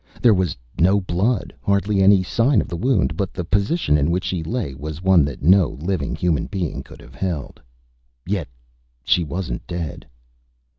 There was no blood, hardly any sign of the wound; but the position in which she lay was one that no living human being could have held. Yet she wasn't dead.